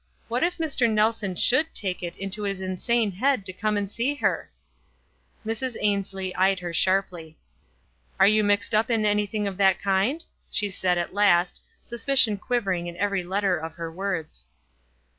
What if Mr. Nelson should take it into his insane head to come and see her ! Mrs. Ainslie eyed her sharply. "Are you mixed up in anything of that kind ?" she said, at last, suspicion quivering in every letter of her words.